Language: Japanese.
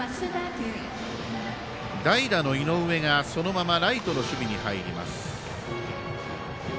代打の井上が、そのままライトの守備に入ります。